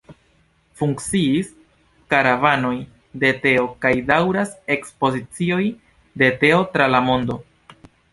Funkciis karavanoj de teo, kaj daŭras ekspozicioj de teo tra la mondo.